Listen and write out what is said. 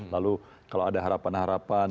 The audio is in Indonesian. lalu kalau ada harapan harapan